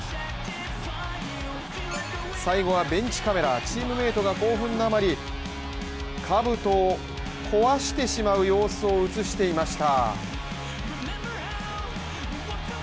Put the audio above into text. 最後はベンチカメラ、チームメイトが興奮のあまりかぶとを壊してしまう様子を映していました。